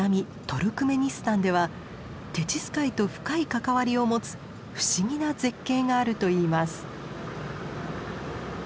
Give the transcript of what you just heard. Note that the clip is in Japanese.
トルクメニスタンではテチス海と深い関わりを持つ不思議な絶景があるといいます。